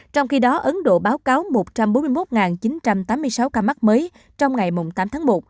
trong khi đó ấn độ báo cáo một trăm bốn mươi một chín trăm tám mươi sáu ca mắc mới trong ngày tám tháng một